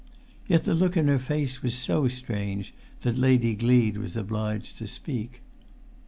Yet the look in her face was so strange that Lady Gleed was obliged to speak.